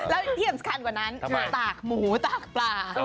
แล้วที่สำคัญกว่านั้นตากหมูตากปลา